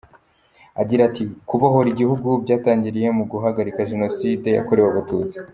Agira ati «Kubohora igihugu byatangiriye ku guhagarika Jenoside yakorewe Abatutsi.